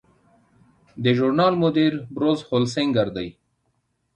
د ژورنال مدیر بروس هولسینګر دی.